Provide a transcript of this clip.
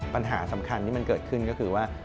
ปัญหาสำคัญที่มันเกิดขึ้นก็คือว่า